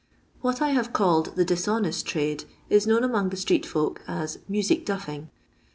What I have called the "dishonest trade" is known among the street folk as " music duffing."